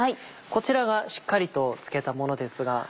こちらがしっかりと漬けたものですが。